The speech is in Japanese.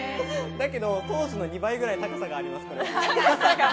だけど当時の２倍くらい高さがあります。